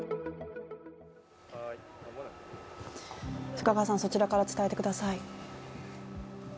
須賀川さん、そちらから伝えてください。